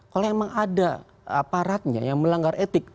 kalau memang ada aparatnya yang melanggar etik